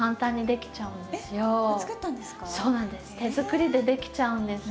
手作りでできちゃうんです。